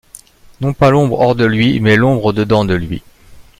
Non pas l’ombre hors de lui, mais l’ombre au dedans de lui.